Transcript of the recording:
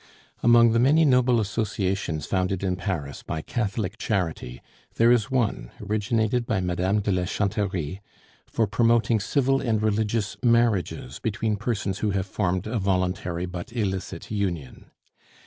Among the many noble associations founded in Paris by Catholic charity, there is one, originated by Madame de la Chanterie, for promoting civil and religious marriages between persons who have formed a voluntary but illicit union.